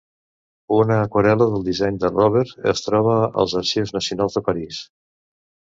Una aquarel·la del disseny de Robert es troba als Arxius Nacionals de París.